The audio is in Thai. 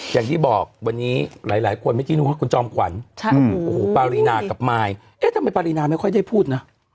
อย่างที่บอกเวนนี้หลายหลายคนไม่คิดมึงว่าก็จอมกว่าหมู่ปารีนากับไม่ทำไมปารีนามันค่อยได้พูดนะ